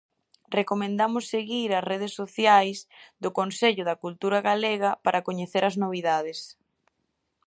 Recomendamos seguir as redes sociais do Consello da Cultura Galega para coñecer as novidades.